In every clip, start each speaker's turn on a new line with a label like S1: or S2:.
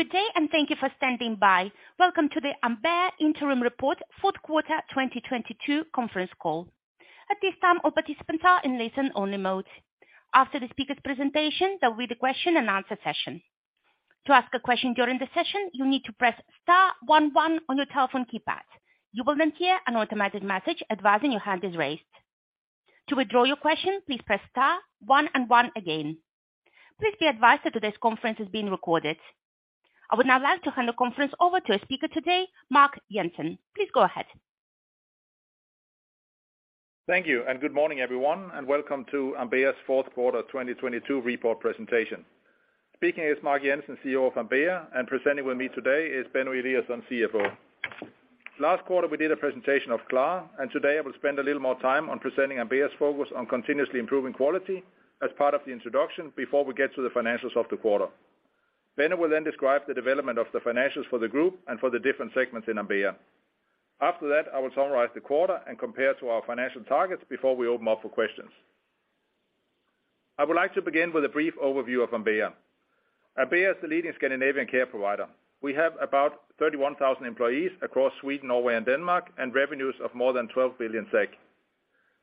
S1: Good day, and thank you for standing by. Welcome to the Ambea Interim Report Fourth Quarter 2022 Conference Call. At this time, all participants are in listen-only mode. After the speaker's presentation, there will be the question and answer session. To ask a question during the session, you need to press star one one on your telephone keypad. You will then hear an automatic message advising your hand is raised. To withdraw your question, please press star one and one again. Please be advised that today's conference is being recorded. I would now like to hand the conference over to our speaker today, Mark Jensen. Please go ahead.
S2: Thank you, good morning, everyone, and welcome to Ambea's fourth quarter 2022 report presentation. Speaking is Mark Jensen, CEO of Ambea, and presenting with me today is Benno Eliasson, CFO. Last quarter, we did a presentation of Klara. Today I will spend a little more time on presenting Ambea's focus on continuously improving quality as part of the introduction before we get to the financials of the quarter. Benno will describe the development of the financials for the group and for the different segments in Ambea. I will summarize the quarter and compare to our financial targets before we open up for questions. I would like to begin with a brief overview of Ambea. Ambea is the leading Scandinavian care provider. We have about 31,000 employees across Sweden, Norway, and Denmark, and revenues of more than 12 billion SEK.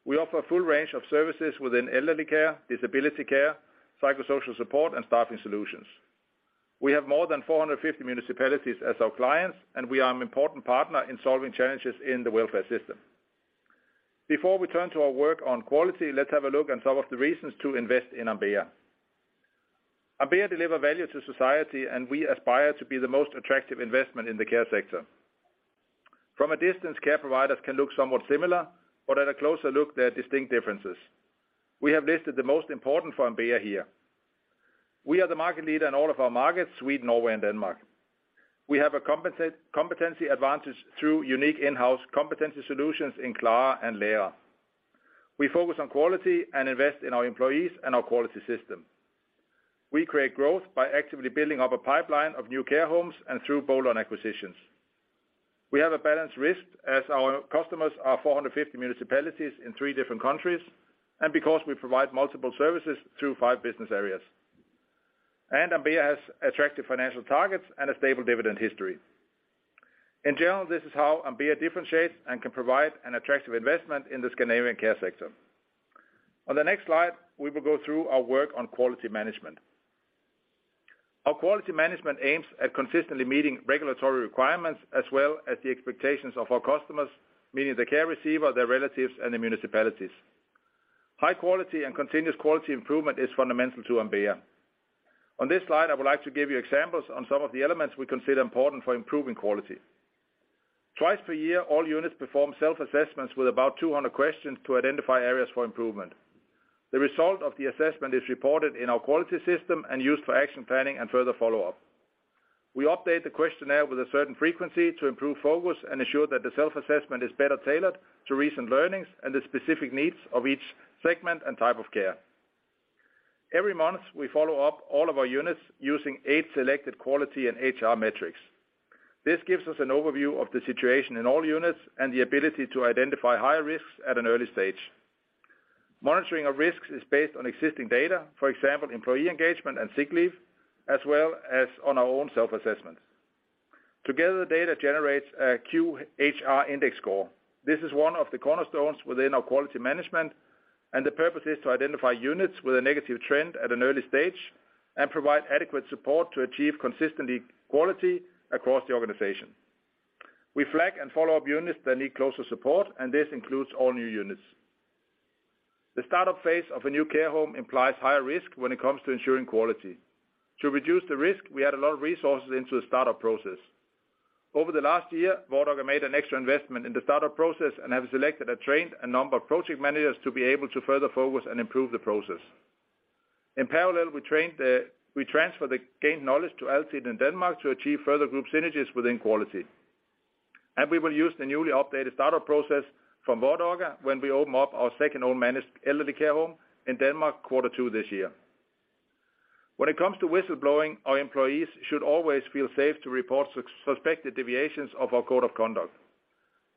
S2: We offer a full range of services within elderly care, disability care, psychosocial support, and staffing solutions. We have more than 450 municipalities as our clients. We are an important partner in solving challenges in the welfare system. Before we turn to our work on quality, let's have a look at some of the reasons to invest in Ambea. Ambea deliver value to society. We aspire to be the most attractive investment in the care sector. From a distance, care providers can look somewhat similar. At a closer look, there are distinct differences. We have listed the most important for Ambea here. We are the market leader in all of our markets, Sweden, Norway, and Denmark. We have a competency advantage through unique in-house competency solutions in Klara and Lära. We focus on quality and invest in our employees and our quality system. We create growth by actively building up a pipeline of new care homes and through bolt-on acquisitions. We have a balanced risk as our customers are 450 municipalities in three different countries and because we provide multiple services through five business areas. Ambea has attractive financial targets and a stable dividend history. In general, this is how Ambea differentiates and can provide an attractive investment in the Scandinavian care sector. On the next slide, we will go through our work on quality management. Our quality management aims at consistently meeting regulatory requirements as well as the expectations of our customers, meaning the care receiver, their relatives, and the municipalities. High quality and continuous quality improvement is fundamental to Ambea. On this slide, I would like to give you examples on some of the elements we consider important for improving quality. Twice per year, all units perform self-assessments with about 200 questions to identify areas for improvement. The result of the assessment is reported in our quality system and used for action planning and further follow-up. We update the questionnaire with a certain frequency to improve focus and ensure that the self-assessment is better tailored to recent learnings and the specific needs of each segment and type of care. Every month, we follow up all of our units using eight selected quality and HR metrics. This gives us an an overview of the situation in all units and the ability to identify higher risks at an early stage. Monitoring of risks is based on existing data, for example, employee engagement and sick leave, as well as on our own self-assessment. Together, the data generates a QHR Index score. This is one of the cornerstones within our quality management, the purpose is to identify units with a negative trend at an early stage and provide adequate support to achieve consistently quality across the organization. We flag and follow up units that need closer support, this includes all new units. The startup phase of a new care home implies higher risk when it comes to ensuring quality. To reduce the risk, we add a lot of resources into the startup process. Over the last year, Vardaga made an extra investment in the startup process have selected and trained a number of project managers to be able to further focus and improve the process. In parallel, we transfer the gained knowledge to Altiden in Denmark to achieve further group synergies within quality. We will use the newly updated startup process from Vardaga when we open up our second home managed elderly care home in Denmark Q2 this year. When it comes to whistleblowing, our employees should always feel safe to report suspected deviations of our code of conduct.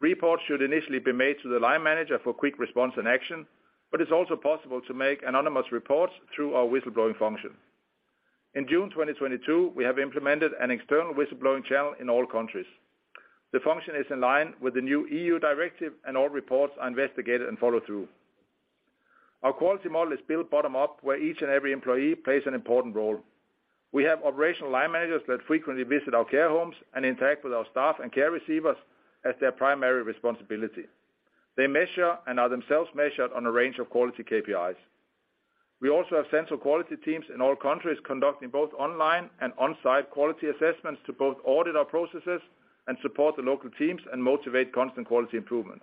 S2: Reports should initially be made to the line manager for quick response and action, but it's also possible to make anonymous reports through our whistleblowing function. In June 2022, we have implemented an external whistleblowing channel in all countries. The function is in line with the new EU directive, and all reports are investigated and followed through. Our quality model is built bottom up, where each and every employee plays an important role. We have operational line managers that frequently visit our care homes and interact with our staff and care receivers as their primary responsibility. They measure and are themselves measured on a range of quality KPIs. We also have central quality teams in all countries conducting both online and on-site quality assessments to both audit our processes and support the local teams and motivate constant quality improvement.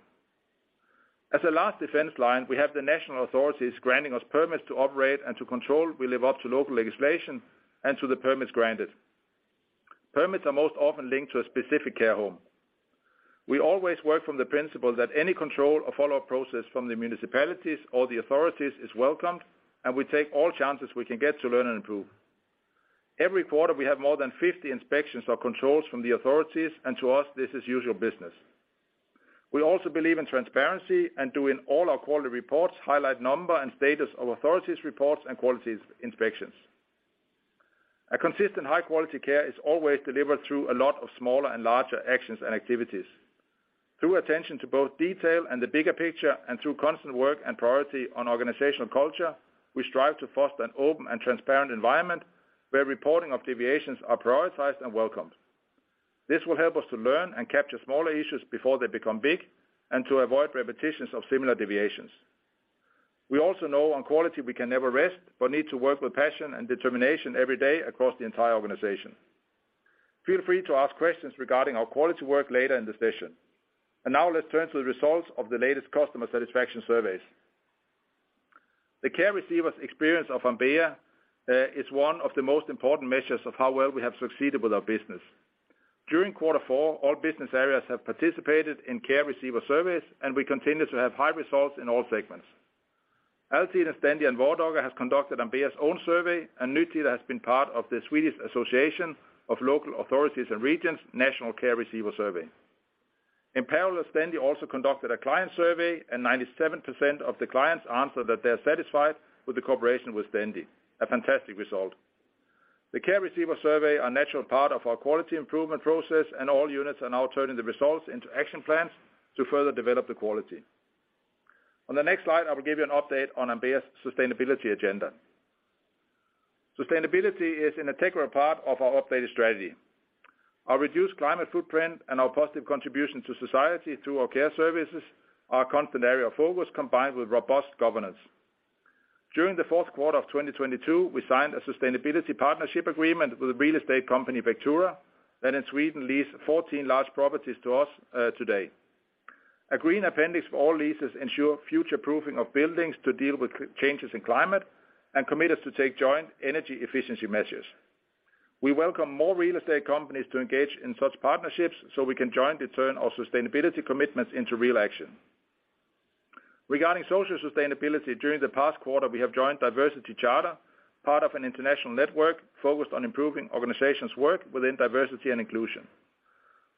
S2: As a last defense line, we have the national authorities granting us permits to operate and to control we live up to local legislation and to the permits granted. Permits are most often linked to a specific care home. We always work from the principle that any control or follow-up process from the municipalities or the authorities is welcomed. We take all chances we can get to learn and improve. Every quarter, we have more than 50 inspections or controls from the authorities. To us, this is usual business. We also believe in transparency and doing all our quality reports, highlight number and status of authorities reports and quality inspections. A consistent high-quality care is always delivered through a lot of smaller and larger actions and activities. Through attention to both detail and the bigger picture. Through constant work and priority on organizational culture, we strive to foster an open and transparent environment where reporting of deviations are prioritized and welcomed. This will help us to learn and capture smaller issues before they become big, and to avoid repetitions of similar deviations. We also know on quality we can never rest. Need to work with passion and determination every day across the entire organization. Feel free to ask questions regarding our quality work later in the session. Now let's turn to the results of the latest customer satisfaction surveys. The care receiver's experience of Ambea is one of the most important measures of how well we have succeeded with our business. During quarter four, all business areas have participated in care receiver surveys, and we continue to have high results in all segments. Altiden, Stendi, and Vardaga has conducted Ambea's own survey, and Nytida has been part of the Swedish Association of Local Authorities and Regions' national care receiver survey. In parallel, Stendi also conducted a client survey, 97% of the clients answered that they are satisfied with the cooperation with Stendi. A fantastic result. The care receiver survey, a natural part of our quality improvement process, all units are now turning the results into action plans to further develop the quality. On the next slide, I will give you an update on Ambea's sustainability agenda. Sustainability is an integral part of our updated strategy. Our reduced climate footprint and our positive contribution to society through our care services are a constant area of focus combined with robust governance. During the fourth quarter of 2022, we signed a sustainability partnership agreement with the real estate company Vectura, that in Sweden lease 14 large properties to us today. A green appendix for all leases ensure future-proofing of buildings to deal with changes in climate and commit us to take joint energy efficiency measures. We welcome more real estate companies to engage in such partnerships, so we can jointly turn our sustainability commitments into real action. Regarding social sustainability, during the past quarter, we have joined Diversity Charter, part of an international network focused on improving organizations' work within diversity and inclusion.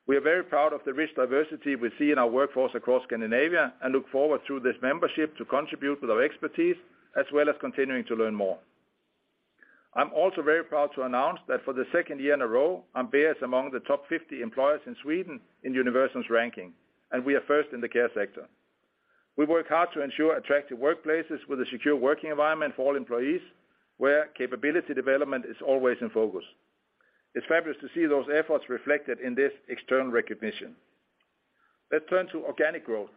S2: We are very proud of the rich diversity we see in our workforce across Scandinavia and look forward through this membership to contribute with our expertise, as well as continuing to learn more. I'm also very proud to announce that for the second year in a row, Ambea is among the top 50 employers in Sweden in Universum's ranking, and we are first in the care sector. We work hard to ensure attractive workplaces with a secure working environment for all employees, where capability development is always in focus. It's fabulous to see those efforts reflected in this external recognition. Let's turn to organic growth.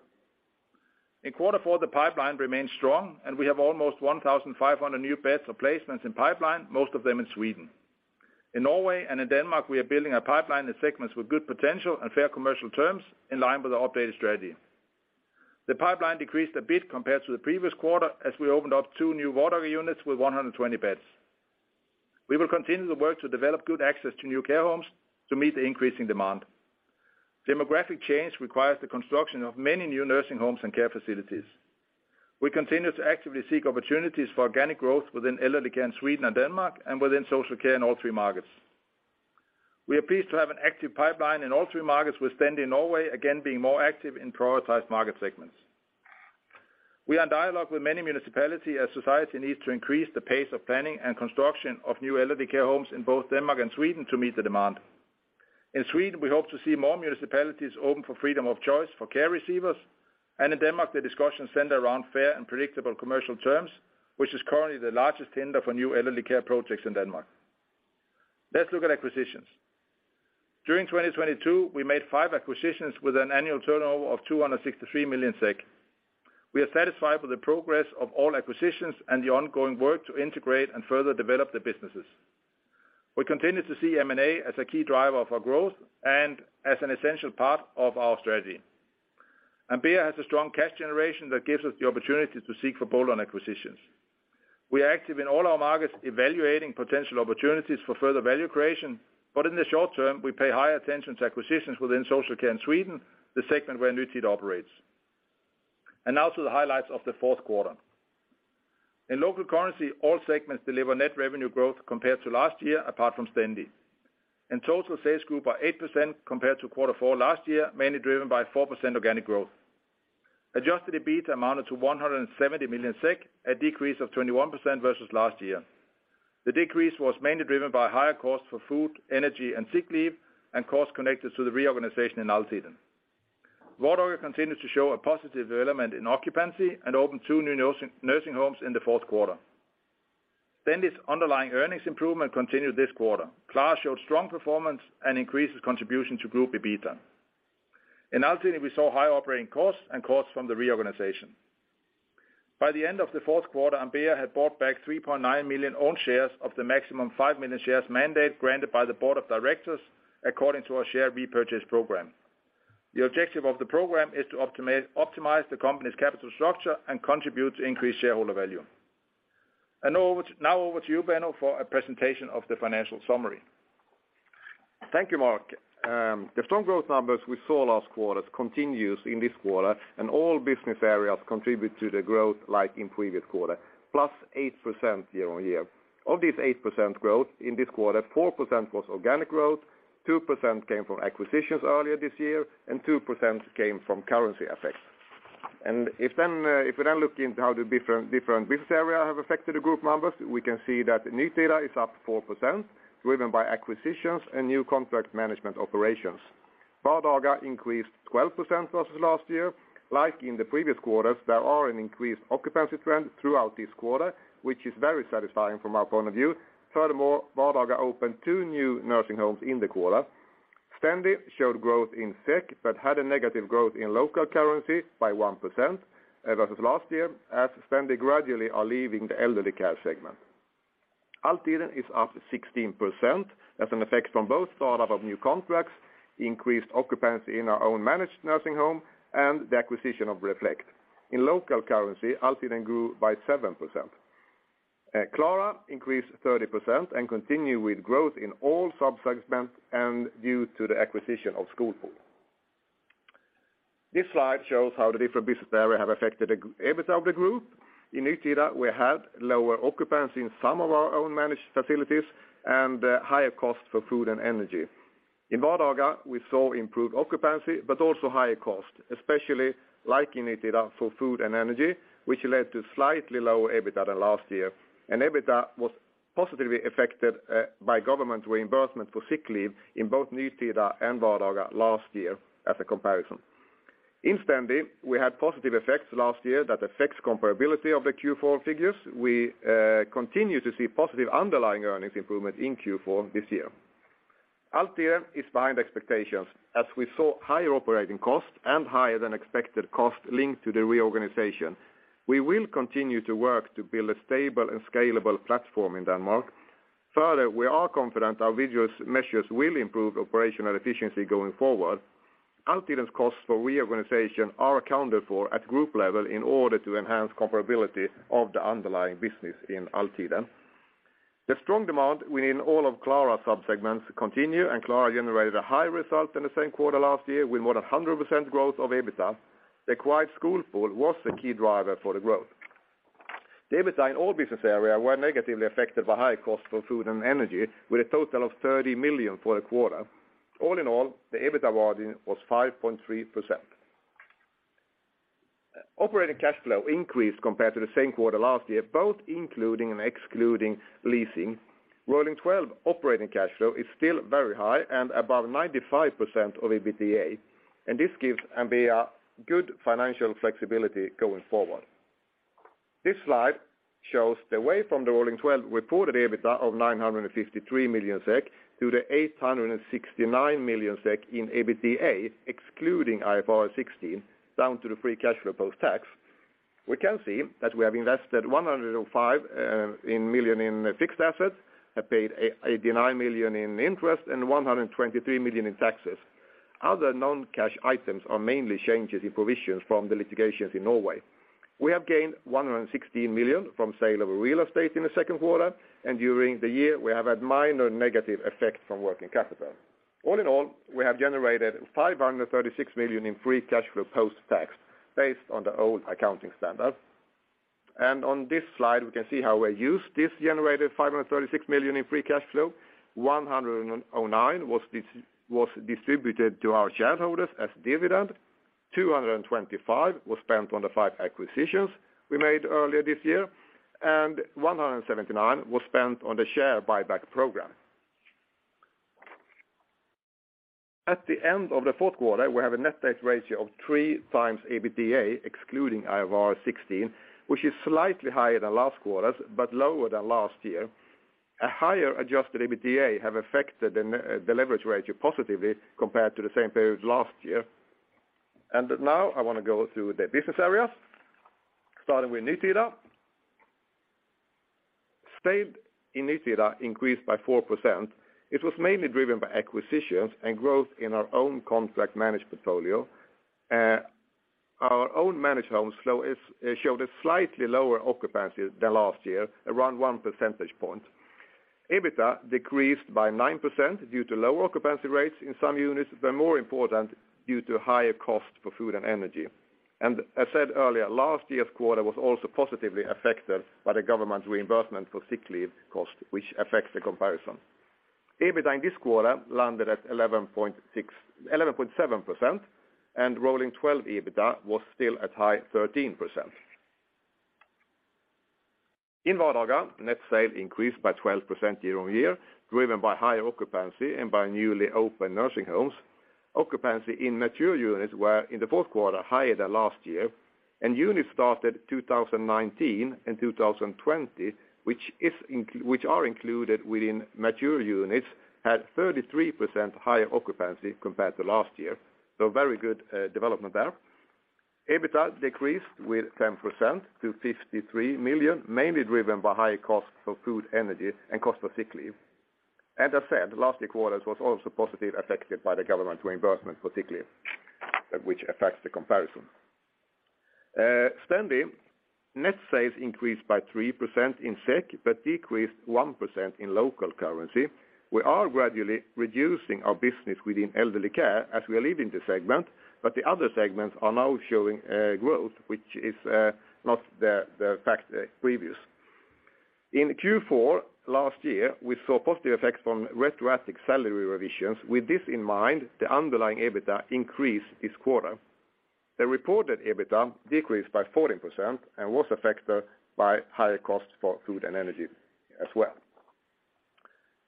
S2: In quarter four, the pipeline remained strong, and we have almost 1,500 new beds or placements in pipeline, most of them in Sweden. In Norway and in Denmark, we are building a pipeline in segments with good potential and fair commercial terms in line with our updated strategy. The pipeline decreased a bit compared to the previous quarter as we opened up two new Vardaga units with 120 beds. We will continue the work to develop good access to new care homes to meet the increasing demand. Demographic change requires the construction of many new nursing homes and care facilities. We continue to actively seek opportunities for organic growth within elderly care in Sweden and Denmark and within social care in all three markets. We are pleased to have an active pipeline in all three markets, with Stendi in Norway again being more active in prioritized market segments. We are in dialogue with many municipality as society needs to increase the pace of planning and construction of new elderly care homes in both Denmark and Sweden to meet the demand. In Denmark, the discussions center around fair and predictable commercial terms, which is currently the largest hinder for new elderly care projects in Denmark. Let's look at acquisitions. During 2022, we made five acquisitions with an annual turnover of 263 million SEK. We are satisfied with the progress of all acquisitions and the ongoing work to integrate and further develop the businesses. We continue to see M&A as a key driver of our growth and as an essential part of our strategy. Ambea has a strong cash generation that gives us the opportunity to seek for bolt-on acquisitions. We are active in all our markets evaluating potential opportunities for further value creation. In the short term, we pay higher attention to acquisitions within social care in Sweden, the segment where Nytida operates. Now to the highlights of the fourth quarter. In local currency, all segments deliver net revenue growth compared to last year, apart from Stendi. In total, sales grew by 8% compared to quarter four last year, mainly driven by 4% organic growth. Adjusted EBIT amounted to 170 million SEK, a decrease of 21% versus last year. The decrease was mainly driven by higher costs for food, energy, and sick leave, and costs connected to the reorganization in Altiden. Vardaga continued to show a positive development in occupancy and opened two new nursing homes in the fourth quarter. Stendi's underlying earnings improvement continued this quarter. Klara showed strong performance and increased its contribution to group EBITDA. In Altiden, we saw high operating costs and costs from the reorganization. By the end of the fourth quarter, Ambea had bought back 3.9 million own shares of the maximum 5 million shares mandate granted by the board of directors according to our share repurchase program. The objective of the program is to optimize the company's capital structure and contribute to increased shareholder value. Now over to you, Benno, for a presentation of the financial summary.
S3: Thank you, Mark. The strong growth numbers we saw last quarter continues in this quarter, and all business areas contribute to the growth like in previous quarter, plus 8% year-over-year. Of this 8% growth in this quarter, 4% was organic growth, 2% came from acquisitions earlier this year, and 2% came from currency effects. If we then look into how the different business area have affected the group numbers, we can see that Nytida is up 4% driven by acquisitions and new contract management operations. Vardaga increased 12% versus last year. Like in the previous quarters, there are an increased occupancy trend throughout this quarter, which is very satisfying from our point of view. Furthermore, Vardaga opened two new nursing homes in the quarter. Stendi showed growth in SEK, but had a negative growth in local currency by 1%, versus last year as Stendi gradually are leaving the elderly care segment. Altiden is up 16% as an effect from both start-up of new contracts, increased occupancy in our own managed nursing home, and the acquisition of Reflekt. In local currency, Altiden grew by 7%. Klara increased 30% and continue with growth in all sub-segments and due to the acquisition of SkolPool. This slide shows how the different business area have affected the EBITDA of the group. In Nytida, we had lower occupancy in some of our own managed facilities and higher costs for food and energy. In Vardaga, we saw improved occupancy but also higher costs, especially like in Nytida for food and energy, which led to slightly lower EBITDA than last year. EBITDA was positively affected by government reimbursement for sick leave in both Nytida and Vardaga last year as a comparison. In Stendi, we had positive effects last year that affects comparability of the Q4 figures. We continue to see positive underlying earnings improvement in Q4 this year. Altiden is behind expectations as we saw higher operating costs and higher than expected costs linked to the reorganization. We will continue to work to build a stable and scalable platform in Denmark. Further, we are confident our vigorous measures will improve operational efficiency going forward. Altiden's costs for reorganization are accounted for at group level in order to enhance comparability of the underlying business in Altiden. The strong demand within all of Klara sub-segments continue, and Klara generated a high result in the same quarter last year with more than 100% growth of EBITDA. Acquired SkolPool was the key driver for the growth. The EBITDA in all business area were negatively affected by high costs for food and energy with a total of 30 million for the quarter. All in all, the EBITDA margin was 5.3%. Operating cash flow increased compared to the same quarter last year, both including and excluding leasing. Rolling 12 operating cash flow is still very high and above 95% of EBITDA, and this gives Ambea good financial flexibility going forward. This slide shows the way from the rolling 12 reported EBITDA of 953 million SEK to the 869 million SEK in EBITDA, excluding IFRS 16, down to the free cash flow post-tax. We can see that we have invested 105 million in fixed assets, have paid 89 million in interest, and 123 million in taxes. Other non-cash items are mainly changes in provisions from the litigations in Norway. We have gained 116 million from sale of real estate in the second quarter, and during the year, we have had minor negative effect from working capital. All in all, we have generated 536 million in free cash flow post-tax based on the old accounting standard. On this slide, we can see how we use this generated 536 million in free cash flow. 109 was distributed to our shareholders as dividend. 225 was spent on the five acquisitions we made earlier this year, and 179 was spent on the share buyback program. At the end of the fourth quarter, we have a net debt ratio of three times EBITDA excluding IFRS 16, which is slightly higher than last quarters but lower than last year. A higher adjusted EBITDA have affected the leverage ratio positively compared to the same period last year. Now I wanna go through the business areas, starting with Nytida. Sales in Nytida increased by 4%. It was mainly driven by acquisitions and growth in our own contract managed portfolio. Our own managed homes showed a slightly lower occupancy than last year, around 1 percentage point. EBITDA decreased by 9% due to lower occupancy rates in some units, more important due to higher costs for food and energy. As said earlier, last year's quarter was also positively affected by the government reimbursement for sick leave costs, which affects the comparison. EBITDA in this quarter landed at 11.7%, rolling 12 EBITDA was still at high 13%. In Vardaga, net sales increased by 12% year-on-year, driven by higher occupancy and by newly opened nursing homes. Occupancy in mature units were in the fourth quarter higher than last year, units started 2019 and 2020, which are included within mature units, had 33% higher occupancy compared to last year. Very good development there. EBITDA decreased with 10% to 53 million, mainly driven by higher costs for food, energy and cost for sick leave. As I said, last year's quarters was also positive affected by the government reimbursement for sick leave, which affects the comparison. Stendi, net sales increased by 3% in SEK, but decreased 1% in local currency. We are gradually reducing our business within elderly care as we are leaving the segment, but the other segments are now showing growth, which is not the fact previous. In Q4 last year, we saw positive effects from retroactive salary revisions. With this in mind, the underlying EBITDA increased this quarter. The reported EBITDA decreased by 14% and was affected by higher costs for food and energy as well.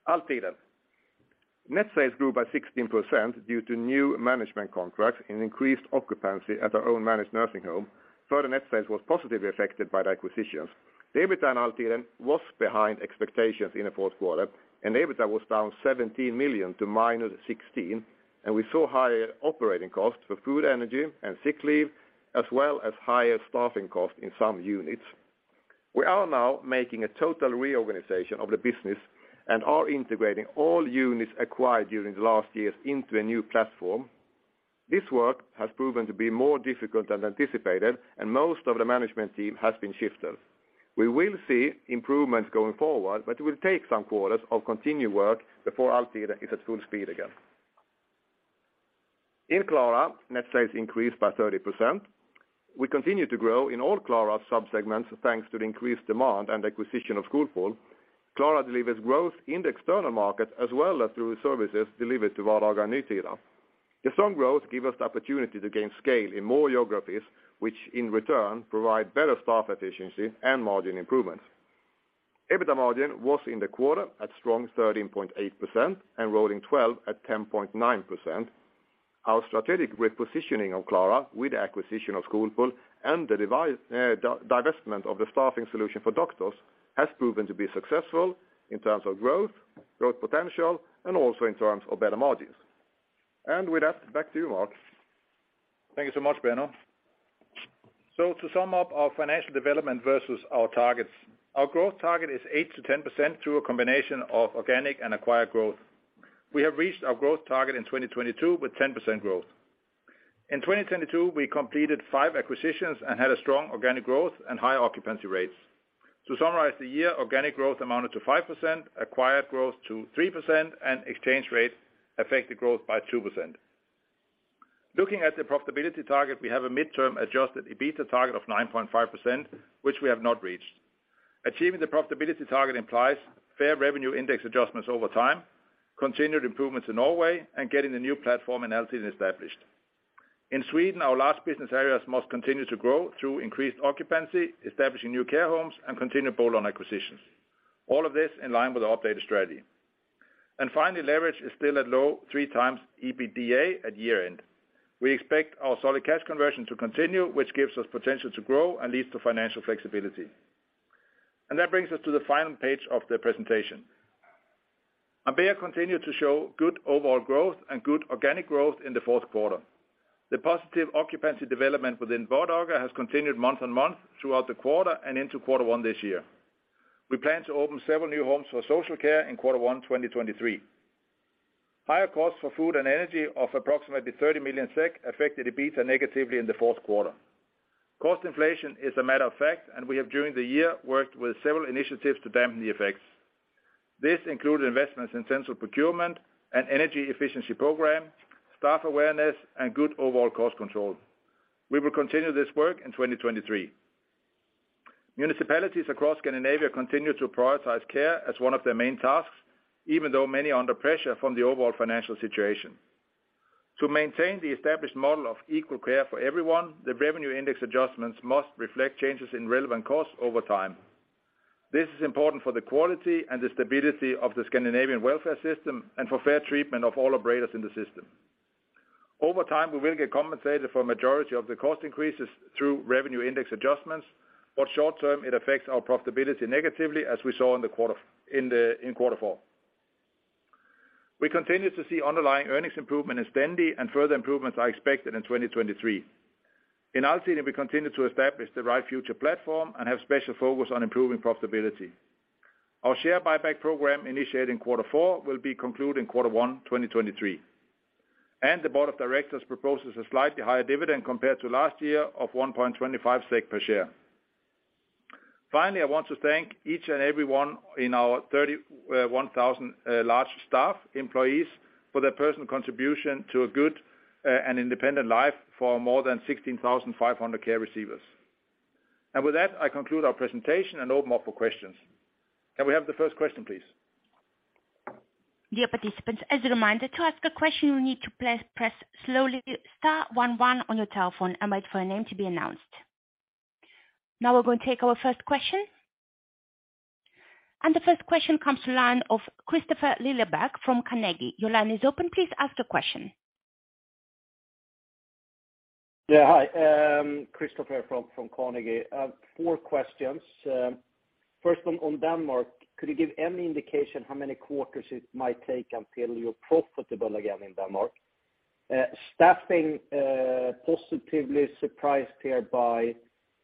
S3: Altiden. Net sales grew by 16% due to new management contracts and increased occupancy at our own managed nursing home. Further net sales was positively affected by the acquisitions. The EBITDA in Altiden was behind expectations in the fourth quarter, and EBITDA was down 17 million to minus 16 million, and we saw higher operating costs for food, energy, and sick leave, as well as higher staffing costs in some units. We are now making a total reorganization of the business and are integrating all units acquired during the last years into a new platform. This work has proven to be more difficult than anticipated, and most of the management team has been shifted. We will see improvements going forward, but it will take some quarters of continued work before Altiden is at full speed again. In Klara, net sales increased by 30%. We continue to grow in all Klara sub-segments, thanks to the increased demand and acquisition of SkolPool. Klara delivers growth in the external market as well as through services delivered to Vardaga and Nytida. The strong growth give us the opportunity to gain scale in more geographies, which in return provide better staff efficiency and margin improvements. EBITDA margin was in the quarter at strong 13.8% and rolling 12 at 10.9%. Our strategic repositioning of Klara with the acquisition of SkolPool and the divestment of the staffing solution for doctors has proven to be successful in terms of growth potential, and also in terms of better margins. With that, back to you, Mark.
S2: Thank you so much, Benno. To sum up our financial development versus our targets, our growth target is 8%-10% through a combination of organic and acquired growth. We have reached our growth target in 2022 with 10% growth. In 2022, we completed 5 acquisitions and had a strong organic growth and high occupancy rates. To summarize the year, organic growth amounted to 5%, acquired growth to 3%, and exchange rate affected growth by 2%. Looking at the profitability target, we have a midterm adjusted EBITDA target of 9.5%, which we have not reached. Achieving the profitability target implies fair revenue index adjustments over time, continued improvements in Norway, and getting the new platform in Altiden established. In Sweden, our last business areas must continue to grow through increased occupancy, establishing new care homes, and continual on acquisitions. All of this in line with our updated strategy. Finally, leverage is still at low 3 times EBITDA at year-end. We expect our solid cash conversion to continue, which gives us potential to grow and leads to financial flexibility. That brings us to the final page of the presentation. Ambea continued to show good overall growth and good organic growth in the fourth quarter. The positive occupancy development within Vardaga has continued month-on-month throughout the quarter and into quarter one this year. We plan to open several new homes for social care in quarter one, 2023. Higher costs for food and energy of approximately 30 million SEK affected EBITDA negatively in the fourth quarter. Cost inflation is a matter of fact, and we have during the year worked with several initiatives to dampen the effects. This included investments in central procurement, an energy efficiency program, staff awareness, and good overall cost control. We will continue this work in 2023. Municipalities across Scandinavia continue to prioritize care as one of their main tasks, even though many are under pressure from the overall financial situation. To maintain the established model of equal care for everyone, the revenue index adjustments must reflect changes in relevant costs over time. This is important for the quality and the stability of the Scandinavian welfare system and for fair treatment of all operators in the system. Over time, we will get compensated for a majority of the cost increases through revenue index adjustments, but short term, it affects our profitability negatively, as we saw in the quarter, in Q4. We continue to see underlying earnings improvement in Stendi. Further improvements are expected in 2023. In Altiden, we continue to establish the right future platform and have special focus on improving profitability. Our share buyback program initiated in quarter four will be concluded in quarter one, 2023. The board of directors proposes a slightly higher dividend compared to last year of 1.25 SEK per share. Finally, I want to thank each and every one in our 31,000 large staff, employees for their personal contribution to a good and independent life for more than 16,500 care receivers. With that, I conclude our presentation and open up for questions. Can we have the first question, please?
S1: Dear participants, as a reminder, to ask a question, you need to press slowly star one one on your telephone and wait for a name to be announced. We're going to take our first question. The first question comes to line of Kristofer Liljeberg from Carnegie. Your line is open. Please ask the question.
S4: Hi, Kristofer from Carnegie. I have four questions. First one on Denmark. Could you give any indication how many quarters it might take until you're profitable again in Denmark? Staffing positively surprised here by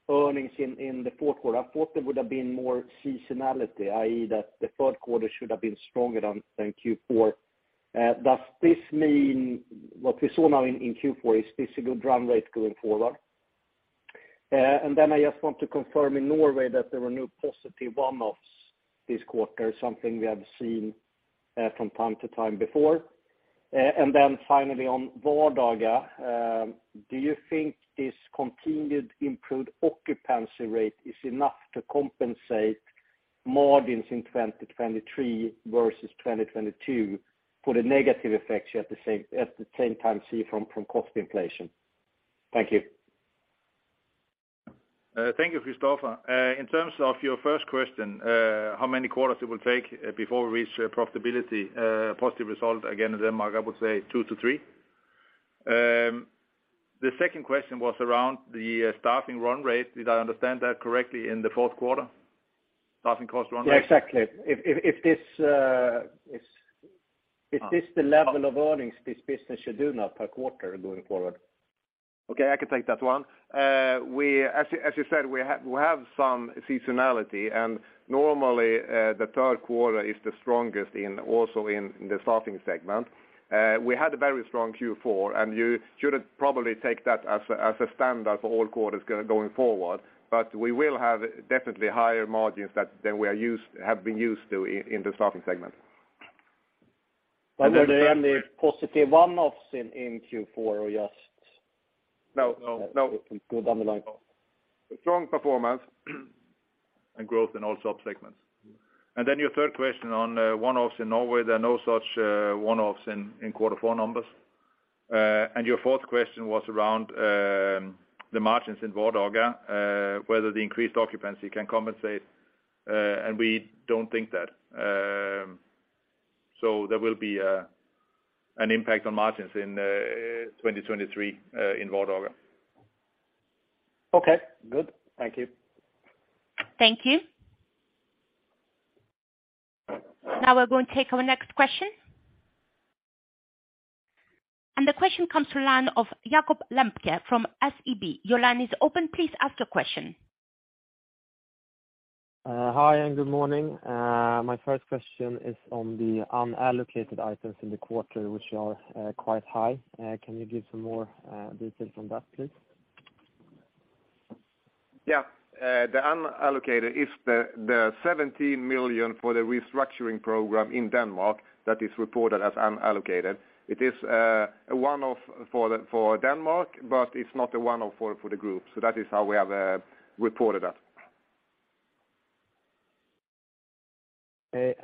S4: earnings in the fourth quarter. I thought there would have been more seasonality, i.e., that the third quarter should have been stronger than Q4. Does this mean what we saw now in Q4, is this a good run rate going forward? Then I just want to confirm in Norway that there were no positive one-offs this quarter, something we have seen from time to time before. Finally, on Vardaga, do you think this continued improved occupancy rate is enough to compensate margins in 2023 versus 2022 for the negative effects you at the same time see from cost inflation? Thank you.
S3: Thank you, Kristofer. In terms of your first question, how many quarters it will take, before we reach profitability, positive result again in Denmark, I would say 2-3. The second question was around the staffing run rate. Did I understand that correctly in the fourth quarter? Staffing cost run rate.
S4: Yeah, exactly. If this, if this the level of earnings this business should do now per quarter going forward.
S3: Okay, I can take that one. As you, as you said, we have some seasonality, and normally, the third quarter is the strongest in, also in the staffing segment. We had a very strong Q4, and you shouldn't probably take that as a, as a standard for all quarters going forward. We will have definitely higher margins that than we are used to in the staffing segment.
S4: Were there any positive one-offs in Q4 or?
S3: No, no.
S4: It went down the line.
S3: Strong performance and growth in all sub-segments. Your third question on one-offs in Norway, there are no such one-offs in quarter four numbers. Your fourth question was around the margins in Vardaga, whether the increased occupancy can compensate, we don't think that. There will be an impact on margins in 2023 in Vardaga.
S4: Okay, good. Thank you.
S1: Thank you. Now we're going to take our next question. The question comes to line of Jakob Lembke from SEB. Your line is open, please ask your question.
S5: Hi, good morning. My first question is on the unallocated items in the quarter which are quite high. Can you give some more detail from that, please?
S3: The unallocated is the 70 million for the restructuring program in Denmark that is reported as unallocated. It is a one-off for Denmark, but it's not a one-off for the group. That is how we have reported that.
S5: Okay.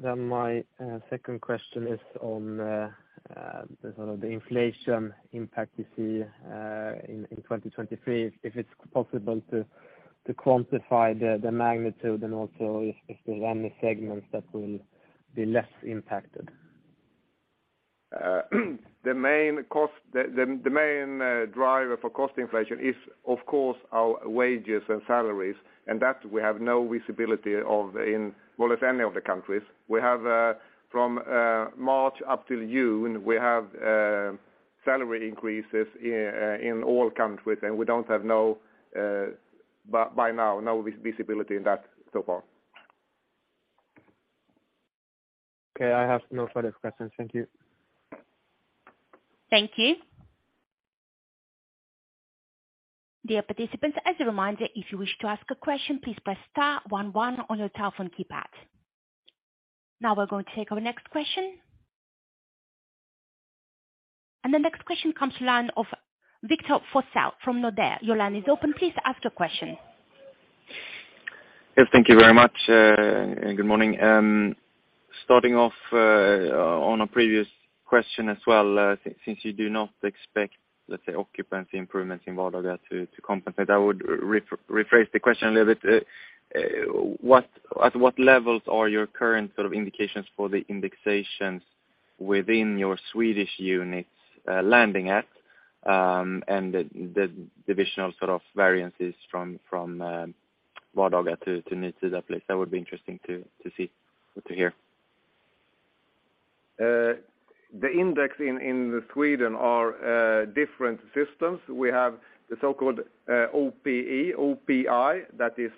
S5: Then my second question is on the sort of the inflation impact you see in 2023, if it's possible to quantify the magnitude and also if there are any segments that will be less impacted?
S3: The main driver for cost inflation is of course our wages and salaries. That we have no visibility of in, well, as any of the countries. We have from March up till June, we have salary increases in all countries. We don't have no by now, no visibility in that so far.
S5: Okay, I have no further questions. Thank you.
S1: Thank you. Dear participants, as a reminder, if you wish to ask a question, please press star one one on your telephone keypad. Now we're going to take our next question. The next question comes to line of Victor Forssell from Nordea. Your line is open, please ask your question.
S6: Yes, thank you very much. Good morning. Starting off, on a previous question as well, since you do not expect, let's say, occupancy improvements in Vardaga to compensate, I would rephrase the question a little bit. At what levels are your current sort of indications for the indexations within your Swedish units, landing at, and the divisional sort of variances from Vardaga to Nytida that place? That would be interesting to see or to hear.
S3: The index in Sweden are different systems. We have the so-called OPI, that is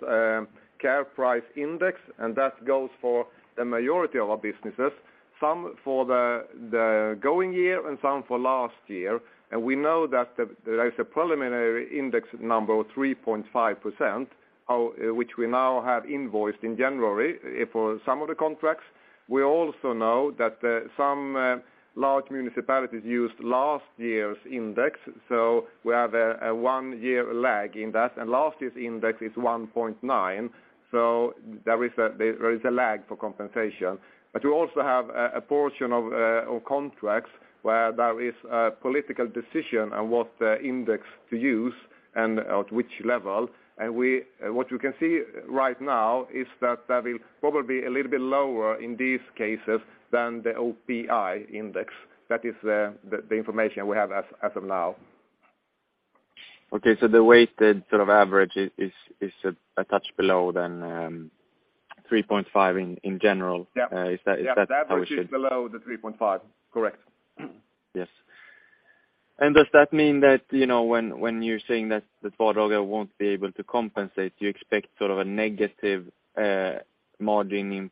S3: care price index, and that goes for the majority of our businesses, some for the going year and some for last year. We know that there is a preliminary index number of 3.5% which we now have invoiced in January for some of the contracts. We also know that some large municipalities used last year's index, so we have a one-year lag in that. Last year's index is 1.9, so there is a lag for compensation. We also have a portion of contracts where there is a political decision on what index to use and at which level. What you can see right now is that that is probably a little bit lower in these cases than the OPI index. That is the information we have as of now.
S6: Okay. The weighted sort of average is a touch below than, 3.5 in general.
S3: Yeah.
S6: Is that how it is?
S3: Yeah. The average is below the 3.5. Correct.
S6: Yes. Does that mean that, you know, when you're saying that the Vardaga won't be able to compensate, do you expect sort of a negative margining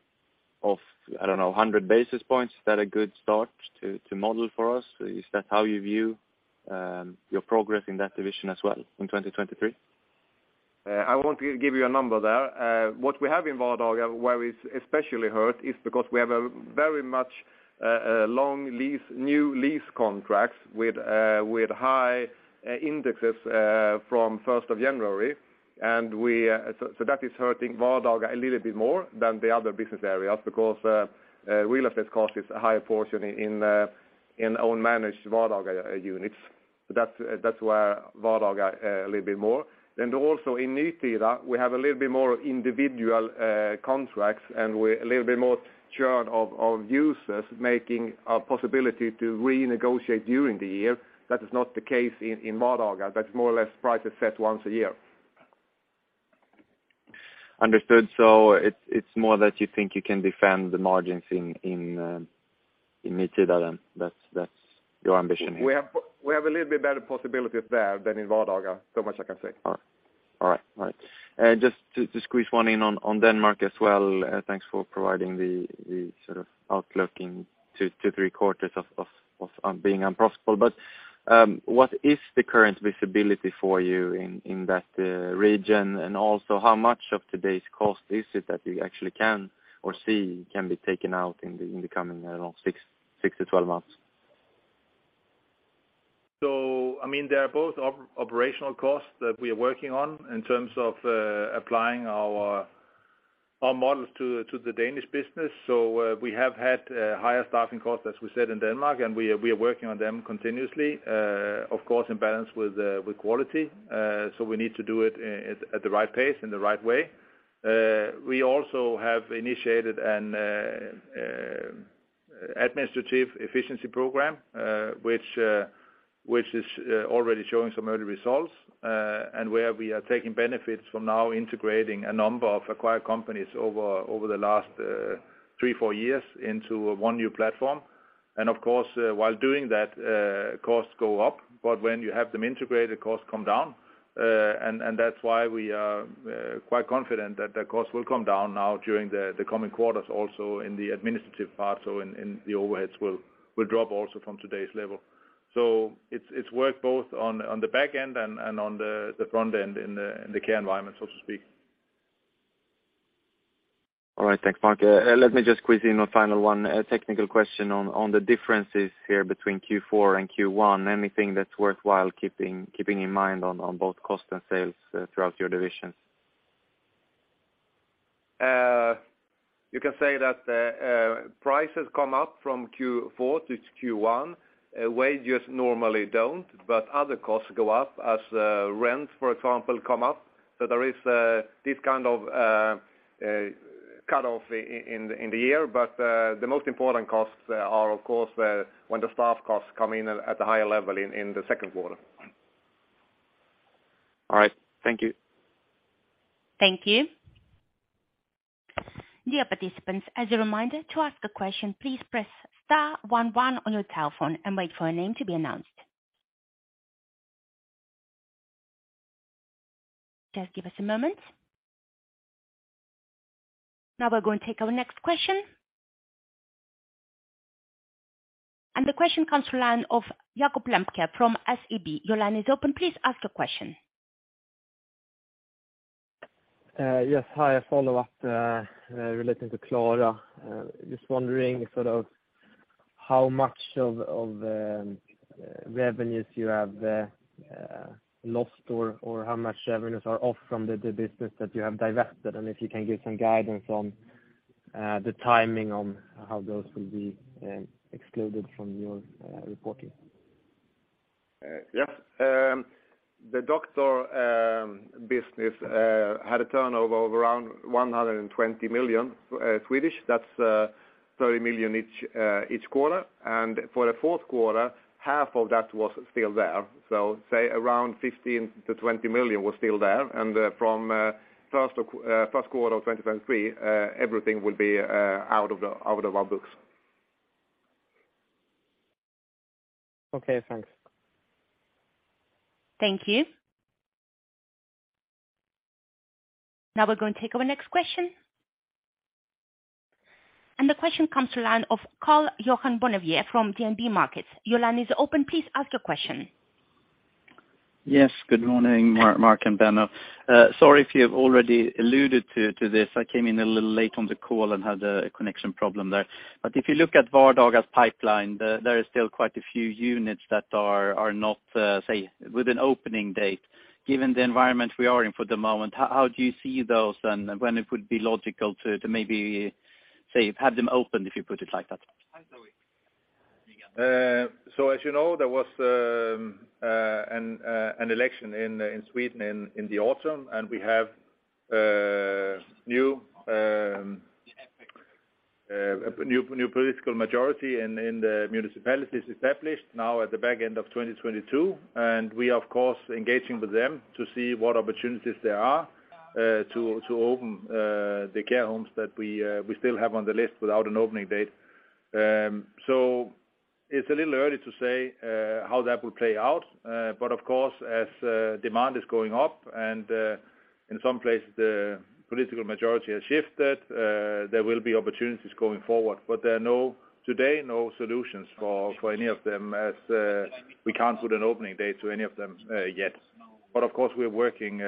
S6: of, I don't know, 100 basis points? Is that a good start to model for us? Is that how you view your progress in that division as well in 2023?
S3: I want to give you a number there. What we have in Vardaga, where it's especially hurt is because we have a very much long lease, new lease contracts with high indexes from 1st of January. We, that is hurting Vardaga a little bit more than the other business areas because real estate cost is a higher portion in own managed Vardaga units. That's why Vardaga a little bit more. Also in Nytida, we have a little bit more individual contracts, and we're a little bit more churn of users making a possibility to renegotiate during the year. That is not the case in Vardaga. That's more or less price is set once a year.
S6: Understood. It's more that you think you can defend the margins in Nytida, then? That's your ambition here?
S3: We have a little bit better possibilities there than in Vardaga. Much I can say.
S6: All right. All right. All right. Just to squeeze one in on Denmark as well, thanks for providing the sort of outlook in 2 to 3 quarters of being unprofitable. What is the current visibility for you in that region? Also how much of today's cost is it that you actually can or see can be taken out in the coming, I don't know, 6 to 12 months?
S2: I mean, they are both operational costs that we are working on in terms of applying our models to the Danish business. We have had higher staffing costs, as we said, in Denmark, and we are working on them continuously. Of course in balance with quality. We need to do it at the right pace in the right way. We also have initiated an administrative efficiency program, which is already showing some early results, and where we are taking benefits from now integrating a number of acquired companies over the last 3, 4 years into one new platform. Of course, while doing that, costs go up, but when you have them integrated, costs come down. That's why we are quite confident that the costs will come down now during the coming quarters also in the administrative part, in the overheads will drop also from today's level. It's worth both on the back end and on the front end in the care environment, so to speak.
S6: All right. Thanks, Mark. Let me just squeeze in a final one, a technical question on the differences here between Q4 and Q1. Anything that's worthwhile keeping in mind on both cost and sales, throughout your divisions?
S2: You can say that prices come up from Q4 to Q1. Wages normally don't, but other costs go up as rents, for example, come up. There is this kind of cutoff in the year. The most important costs are of course, when the staff costs come in at a higher level in the second quarter.
S6: All right. Thank you.
S1: Thank you. Dear participants, as a reminder to ask a question, please press star one one on your telephone and wait for your name to be announced. Just give us a moment. Now we're going to take our next question. The question comes to line of Jakob Lembke from SEB. Your line is open. Please ask your question.
S5: Yes. Hi. A follow-up relating to Klara. Just wondering sort of how much of revenues you have lost or how much revenues are off from the business that you have divested? If you can give some guidance on the timing on how those will be excluded from your reporting?
S2: The doctor business had a turnover of around 120 million. That's 30 million each each quarter. For the Q4, half of that was still there. Say around 15-20 million was still there. From Q1 2023, everything will be out of the, out of our books.
S5: Okay, thanks.
S1: Thank you. Now we're going to take our next question. The question comes to line of Karl-Johan Bonnevier from DNB Markets. Your line is open. Please ask your question.
S7: Yes. Good morning, Mark and Benno. Sorry if you have already alluded to this. I came in a little late on the call and had a connection problem there. If you look at Vardaga's pipeline, there are still quite a few units that are not, say, with an opening date. Given the environment we are in for the moment, how do you see those then when it would be logical to maybe, say, have them open, if you put it like that?
S2: As you know, there was an election in Sweden in the autumn, and we have new political majority in the municipalities established now at the back end of 2022. We are of course engaging with them to see what opportunities there are to open the care homes that we still have on the list without an opening date. It's a little early to say how that will play out. Of course, as demand is going up and in some places the political majority has shifted, there will be opportunities going forward. There are no, today, no solutions for any of them as we can't put an opening date to any of them yet. Of course, we're working,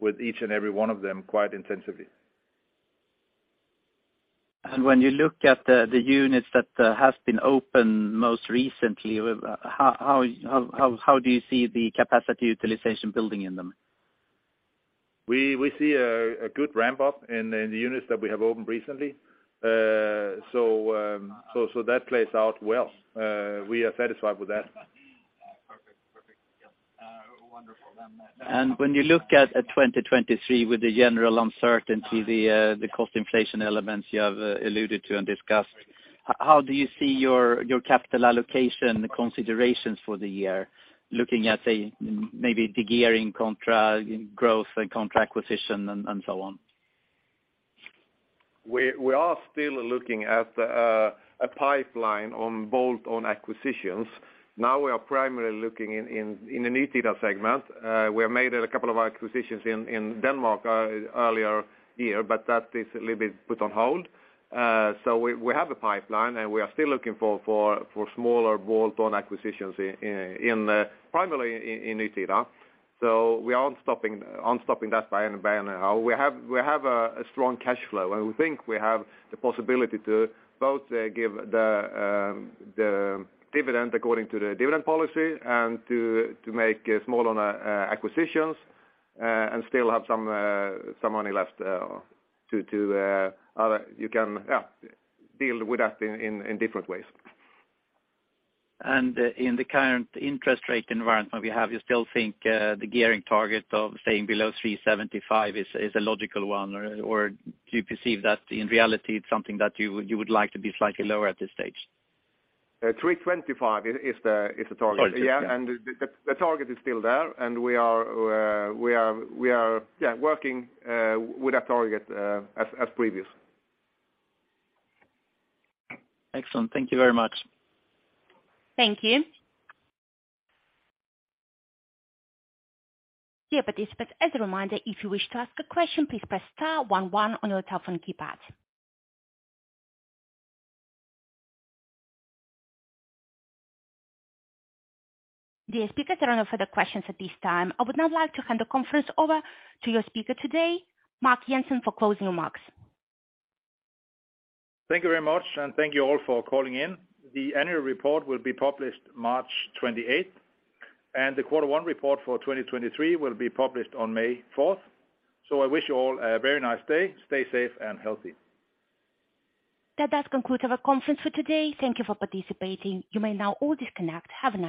S2: with each and every one of them quite intensively.
S7: When you look at the units that has been open most recently, how do you see the capacity utilization building in them?
S3: We see a good ramp up in the units that we have opened recently. That plays out well. We are satisfied with that.
S7: Perfect. Perfect. Yeah. wonderful then.
S3: When you look at 2023 with the general uncertainty, the cost inflation elements you have alluded to and discussed, how do you see your capital allocation considerations for the year? Looking at, say, maybe the gearing contra, growth and contra acquisition and so on. We are still looking at a pipeline on bolt-on acquisitions. We are primarily looking in the Nytida segment. We have made a couple of acquisitions in Denmark earlier year, but that is a little bit put on hold. We have a pipeline, and we are still looking for smaller bolt-on acquisitions in, primarily in Nytida. We aren't stopping that by any how.
S7: We have a strong cash flow, and we think we have the possibility to both give the dividend according to the dividend policy and to make smaller acquisitions and still have some money left to other. You can, yeah, deal with that in different ways. In the current interest rate environment we have, you still think, the gearing target of staying below 3.75 is a logical one? Do you perceive that in reality it's something that you would, you would like to be slightly lower at this stage?
S3: 325 is the target.
S7: Oh.
S3: Yeah. The target is still there, and we are, yeah, working with that target as previous.
S7: Excellent. Thank you very much.
S1: Thank you. Dear participants, as a reminder, if you wish to ask a question, please press star one one on your telephone keypad. Dear speakers, there are no further questions at this time. I would now like to hand the conference over to your speaker today, Mark Jensen, for closing remarks.
S2: Thank you very much, thank you all for calling in. The annual report will be published March 28th, the quarter one report for 2023 will be published on May 4th. I wish you all a very nice day. Stay safe and healthy.
S1: That does conclude our conference for today. Thank you for participating. You may now all disconnect. Have a nice day.